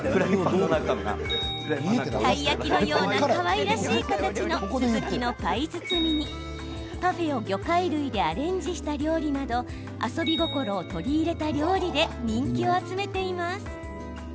たい焼きのようなかわいらしい形のスズキのパイ包みにパフェを魚介類でアレンジした料理など遊び心を取り入れた料理で人気を集めています。